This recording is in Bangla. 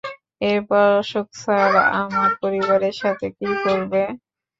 এরপর অশোক স্যার আমার পরিবারের সাথে কী করবে?